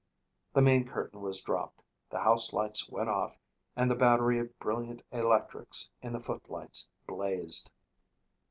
The main curtain was dropped, the house lights went off and the battery of brilliant electrics in the footlights blazed.